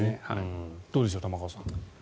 どうでしょう、玉川さん。